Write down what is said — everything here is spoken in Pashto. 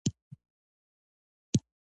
د برابرۍ او ازادۍ خبرې په کې نه کېږي.